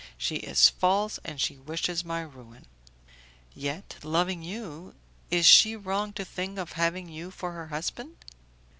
she is false, and she wishes my ruin." "Yet, loving you, is she wrong to think of having you for her husband?"